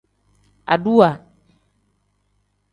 Aduwa.